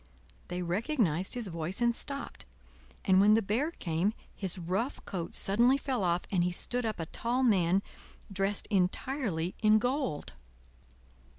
They recognized his voice and stopped; and when the Bear came, his rough coat suddenly fell off, and he stood up a tall man, dressed entirely in gold.